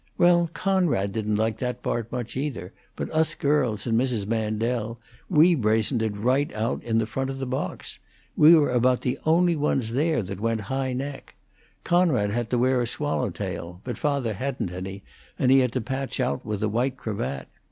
Well, Conrad didn't like that part much, either; but us girls and Mrs. Mandel, we brazened it out right in the front of the box. We were about the only ones there that went high neck. Conrad had to wear a swallow tail; but father hadn't any, and he had to patch out with a white cravat.